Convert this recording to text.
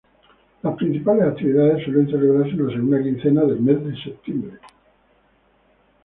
Las principales actividades suelen celebrarse en la segunda quincena del mes de septiembre.